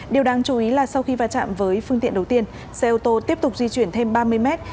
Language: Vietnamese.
điều đáng chú ý là sau khi va chạm với phương tiện đầu tiên xe ô tô tiếp tục di chuyển thêm ba mươi mét